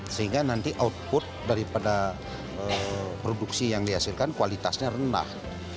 sehingga nanti output daripada produksi yang dihasilkan kualitasnya rendah